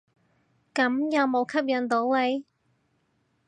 咁有無吸引到你？